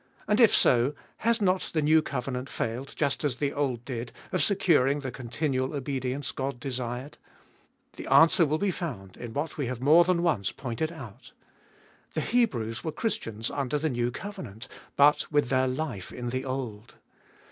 And if so, has not the new covenant failed just as the old did, of securing the continual obedience God desired ? The answer will be found in what we have more than once pointed out The Hebrews were Chris 272 abe f>olfest of tians under the new covenant, but with their life in the old.